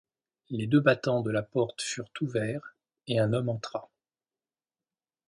Les deux battants de la porte furent ouverts et un homme entra.